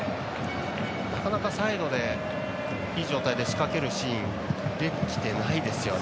なかなかサイドでいい状態で仕掛けるゲームができてないですよね